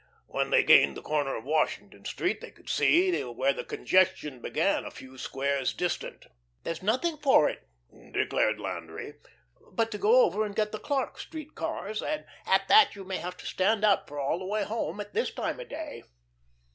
When they gained the corner of Washington Street they could see where the congestion began, a few squares distant. "There's nothing for it," declared Landry, "but to go over and get the Clarke Street cars and at that you may have to stand up all the way home, at this time of day."